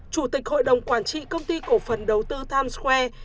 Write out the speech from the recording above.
chủ tịch hội đồng quản trị công ty cổ phần đầu tư times square